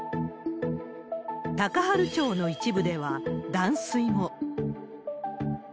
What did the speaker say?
高原町の一部では、断水も。